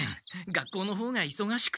学校の方がいそがしくて。